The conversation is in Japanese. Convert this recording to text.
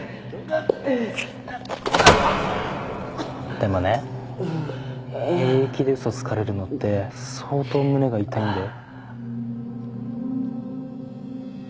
でもね平気で嘘つかれるのって相当胸が痛いんだよ。